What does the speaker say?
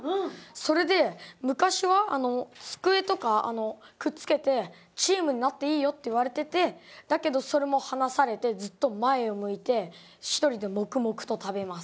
それで昔は机とかくっつけてチームになっていいよって言われててだけどそれも離されてずっと前を向いて一人で黙々と食べます。